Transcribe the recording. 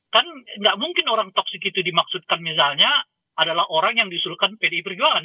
kan nggak mungkin orang toksik itu dimaksudkan misalnya adalah orang yang diusulkan pdi perjuangan